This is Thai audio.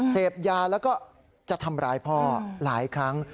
เสพยาแล้วก็จะทำร้ายพ่อหลายครั้ง